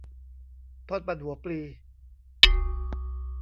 ทอดมันหัวปลี